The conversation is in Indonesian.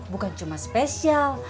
bukan cuma spesial